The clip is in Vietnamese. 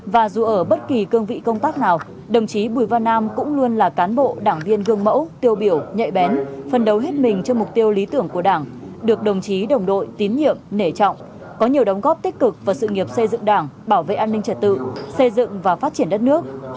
và dù ở bất kỳ cương vị công tác nào đồng chí bùi văn nam cũng luôn là cán bộ đảng viên gương mẫu tiêu biểu nhạy bén phân đấu hết mình cho mục tiêu lý tưởng của đảng được đồng chí đồng đội tín nhiệm nể trọng có nhiều đóng góp tích cực vào sự nghiệp xây dựng đảng bảo vệ an ninh trật tự xây dựng và phát triển đất nước